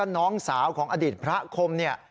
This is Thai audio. น้องสาวของอดีตพระโคม